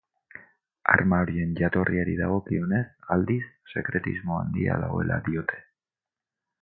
Arma horien jatorriari dagokionez, aldiz, sekretismo handia dagoela diote.